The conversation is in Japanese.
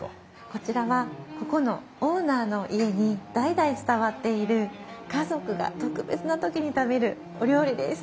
こちらはここのオーナーの家に代々伝わっている家族が特別な時に食べるお料理です。